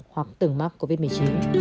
hoặc tưởng mắc covid một mươi chín